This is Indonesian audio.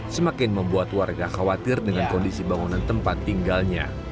semakin membuat warga khawatir dengan kondisi bangunan tempat tinggalnya